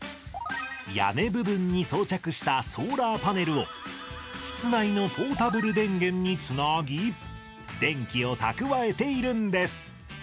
屋根部分に装着したソーラーパネルを室内のにつなぎ電気を蓄えているんです